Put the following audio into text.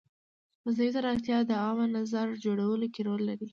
مصنوعي ځیرکتیا د عامه نظر جوړولو کې رول لري.